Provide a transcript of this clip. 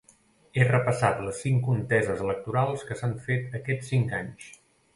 Ha repassat les cinc conteses electorals que s’han fet aquests cinc anys.